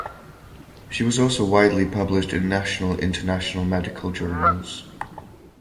She was also widely published in national and international medical journals.